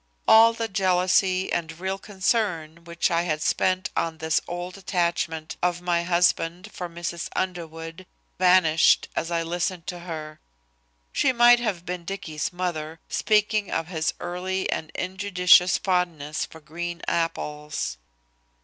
All the jealousy and real concern which I had spent on this old attachment of my husband for Mrs. Underwood vanished as I listened to her. She might have been Dicky's mother, speaking of his early and injudicious fondness for green apples.